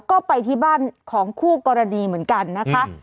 ก็ไปที่บ้านของคู่กรณีเหมือนกันนะคะ